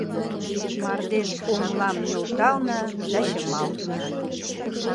Мардежоҥлам нӧлтална да чымалтна.